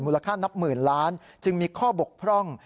ค่านับหมื่นล้านจึงมีข้อบกพร่อง